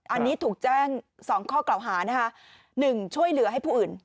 อันนี้ถูกแจ้งสองข้อเกลาหานะคะหนึ่งช่วยเหลือให้ผู้อื่น